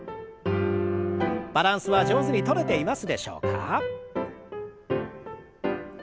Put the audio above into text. バランスは上手にとれていますでしょうか？